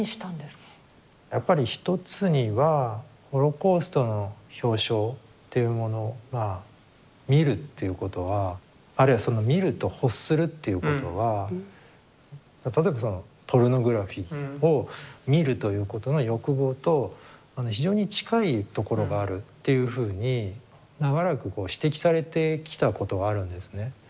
やっぱり一つにはホロコーストの表象っていうものが見るということはあるいはその見ると欲するっていうことは例えばそのポルノグラフィを見るということの欲望と非常に近いところがあるっていうふうに長らくこう指摘されてきたことがあるんですね。